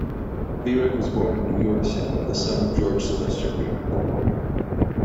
Viereck was born in New York City, the son of George Sylvester Viereck.